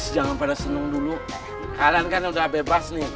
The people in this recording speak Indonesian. jangan bisa selalu berpengalaman